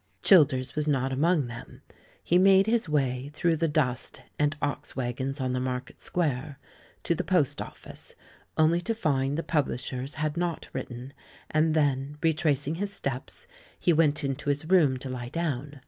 Childers was not among them. He made his way, through the dust and ox wagons on the Market Square, to the post office, only to find the publishers had not written; and then, retrac ing his steps, he went into his room to lie down.